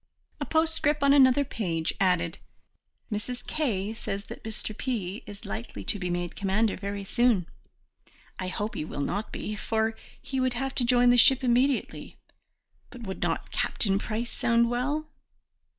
A postscript on another page added: "Mrs. K. says that Mr. P. is likely to be made commander very soon. I hope he will not be, for he would have to join the ship immediately, but would not Captain Price sound well?"